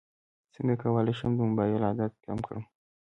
څنګه کولی شم د موبایل عادت کم کړم